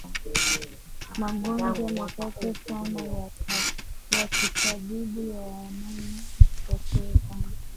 Magonjwa machache sana ya kitabibu yanayojitokeza